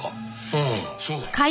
うんそうだよ。